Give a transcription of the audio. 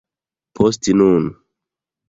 Post nun...